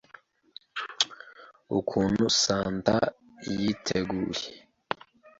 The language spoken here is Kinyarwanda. Ukuntu Santa yiteguye